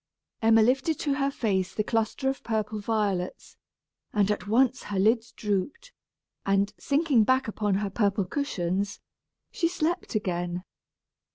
Emma lifted to her face the cluster of purple violets, and at once her lids drooped; and, sinking back upon her purple cushions, she slept again.